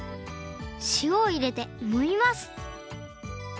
しおをいれてもみます